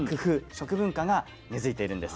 食文化が根づいているんです。